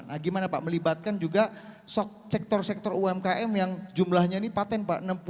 nah gimana pak melibatkan juga sektor sektor umkm yang jumlahnya ini patent pak